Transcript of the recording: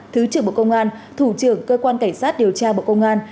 thứ trưởng bộ công an thủ trưởng cơ quan cảnh sát điều tra bộ công an